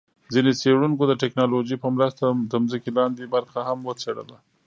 ځیني څېړونکو د ټیکنالوجۍ په مرسته د ځمکي لاندي برخه هم وڅېړله